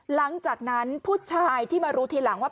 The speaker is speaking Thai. หลังจากนั้นผู้ชายที่มารู้ทีหลังว่า